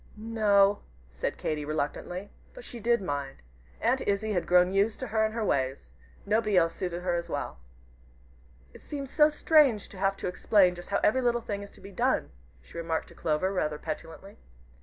"N o!" said Katy, reluctantly. But she did mind. Aunt Izzie had grown used to her and her ways. Nobody else suited her so well. "It seems so strange to have to explain just how every little thing is to be done," she remarked to Clover, rather petulantly.